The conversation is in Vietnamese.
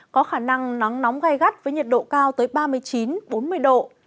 có khả năng nắng nóng gai gắt với nhiệt độ cao tới ba mươi chín bốn mươi độ